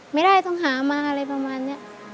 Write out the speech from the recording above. ไม่ได้ต้องหามาอะไรประมาณนี้